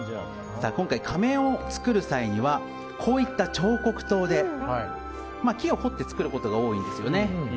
今回、仮面を作る際にはこういった彫刻刀で木を彫って作ることが多いですよね。